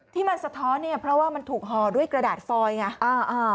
ที่มันสะท้อนเพราะว่ามันถูกห่อด้วยกระดาษฟอยล์